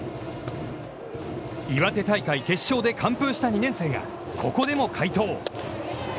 岩手大会決勝で完封した２年生が、ここでも快投。